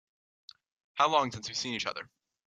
How long since we've seen each other?